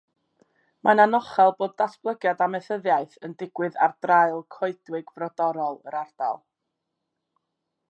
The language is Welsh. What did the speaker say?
Mae'n anochel bod datblygiad amaethyddiaeth yn digwydd ar draul coedwig frodorol yr ardal.